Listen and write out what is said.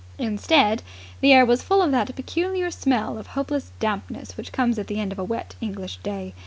Instead, the air was full of that peculiar smell of hopeless dampness which comes at the end of a wet English day.